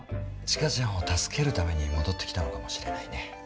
千佳ちゃんを助けるために戻ってきたのかもしれないね。